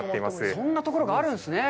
そんなところがあるんですね。